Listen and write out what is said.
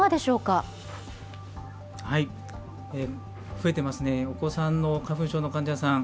増えてますね、お子さんの花粉症の患者さん。